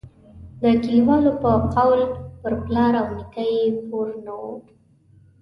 د کلیوالو په قول پر پلار او نیکه یې پور نه وو.